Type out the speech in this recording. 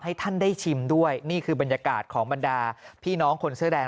ให้ท่านได้ชิมด้วยนี่คือบรรยากาศของบรรดาพี่น้องคนเสื้อแดง